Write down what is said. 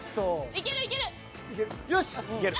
いけるいける！